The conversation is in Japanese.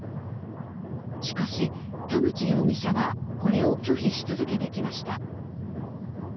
しかし田口容疑者はこれを拒否し続けてきました。